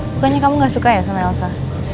bukannya kamu gak suka ya sama elsa